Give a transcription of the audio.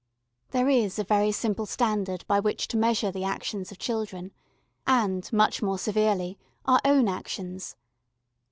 There is a very simple standard by which to measure the actions of children and, much more severely, our own actions.